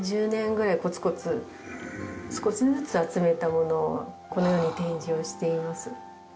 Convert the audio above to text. ３０年ぐらいコツコツ少しずつ集めたものをこのように展示をしています。